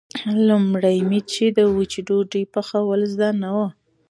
لومړی مې د وچې ډوډۍ پخول زده نه و.